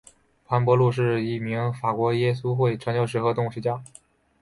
韩伯禄是一名法国耶稣会传教士和动物学家。